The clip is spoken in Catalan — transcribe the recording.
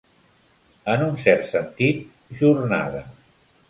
En un cert sentit, jornada.